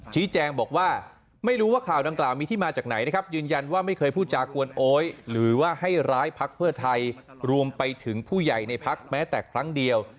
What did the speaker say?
ชี้แจงบอกว่าไม่รู้ว่าข่าวดังกล่าวมีที่มาจากไหนนะครับยืนยันว่าไม่เคยพูดจากวนโอ๊ยหรือว่าให้ร้ายพักเพื่อไทยรวมไปถึงผู้ใหญ่ในพักแม้แต่ครั้งเดียว